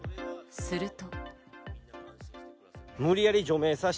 すると。